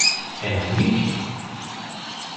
E na política?